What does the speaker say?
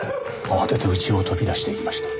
慌てて家を飛び出していきました。